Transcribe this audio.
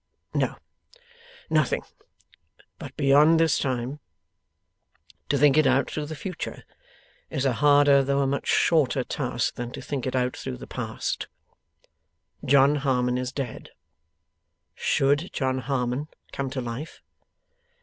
No, nothing. But beyond this time? To think it out through the future, is a harder though a much shorter task than to think it out through the past. John Harmon is dead. Should John Harmon come to life?